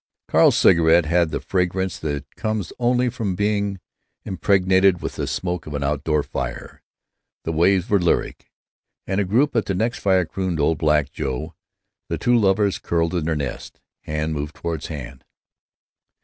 Carl's cigarette had the fragrance that comes only from being impregnated with the smoke of an outdoor fire. The waves were lyric, and a group at the next fire crooned "Old Black Joe." The two lovers curled in their nest. Hand moved toward hand.